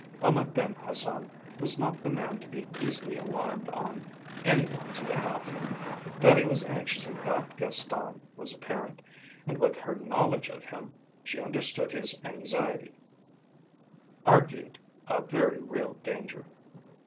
Ahmed Ben Hassan was not the man to be easily alarmed on any one's behalf. That he was anxious about Gaston was apparent, and with her knowledge of him she understood his anxiety argued a very real danger.